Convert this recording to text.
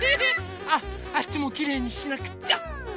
あっあっちもきれいにしなくっちゃ！